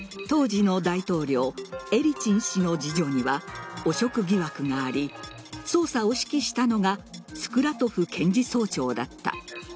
当時の大統領エリツィン氏の次女には汚職疑惑があり捜査を指揮したのがスクラトフ検事総長だった。